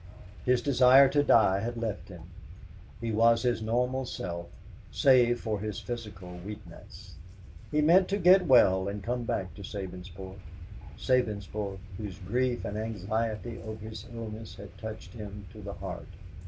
His desire to die had left him. He was his normal self, save for his physical weakness. He meant to get well and come back to Sabinsport Sabinsport, whose grief and anxiety over his illness had touched him to the heart?